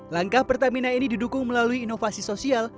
langkah pertamina ini didukung melalui inovasi sosial